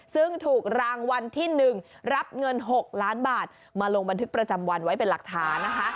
ซึ่งถูกรางวัลที่๑รับเงิน๖ล้านบาทมาลงบันทึกประจำวันไว้เป็นหลักฐานนะคะ